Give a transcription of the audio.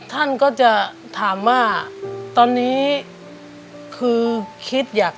สามีก็ต้องพาเราไปขับรถเล่นดูแลเราเป็นอย่างดีตลอดสี่ปีที่ผ่านมา